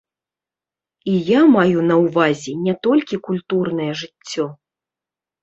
І я маю на ўвазе не толькі культурнае жыццё.